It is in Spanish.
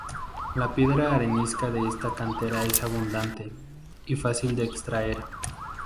La piedra arenisca de esta cantera es abundante y fácil de extraer.